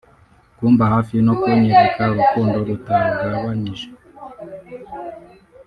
Kumba hafi no kunyereka urukundo rutagabanyije